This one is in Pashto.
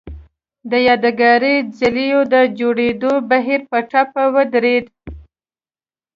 د یادګاري څليو د جوړېدو بهیر په ټپه ودرېد.